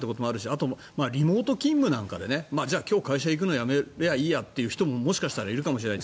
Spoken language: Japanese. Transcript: あと、リモート勤務なんかで今日会社行くのをやめればいいやっていう方ももしかしたらいるかもしれない。